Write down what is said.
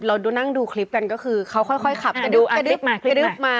เราดูนั่งดูคลิปกันก็คือเขาค่อยค่อยขับกระดูกอ่าคลิปมาคลิปมา